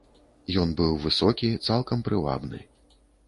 Ён быў высокі, цалкам прывабны.